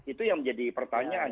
itu yang menjadi pertanyaan